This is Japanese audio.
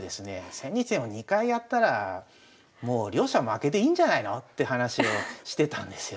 千日手も２回やったらもう両者負けでいいんじゃないのって話をしてたんですよ。